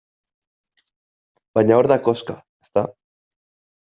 Baina hor da koxka, ezta?